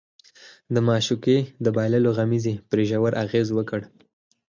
د معشوقې د بايللو غمېزې پرې ژور اغېز وکړ.